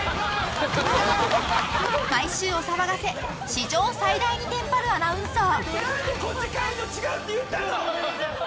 毎週お騒がせ史上最大にテンパるアナウンサー。